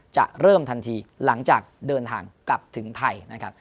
จะเริ่มทันทีหลังจากเดินทางกลับถึงไทยนะครับ